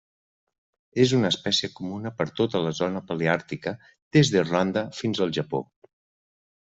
És una espècie comuna per tota la Zona Paleàrtica des d'Irlanda fins al Japó.